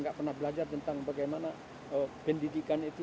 nggak pernah belajar tentang bagaimana pendidikan itu